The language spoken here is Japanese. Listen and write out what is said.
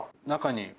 中に。